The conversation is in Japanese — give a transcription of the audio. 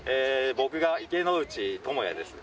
僕が池之内友也です